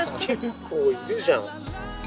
結構いるじゃん。